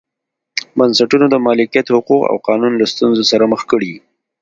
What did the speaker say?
بنسټونو د مالکیت حقوق او قانون له ستونزو سره مخ کړي.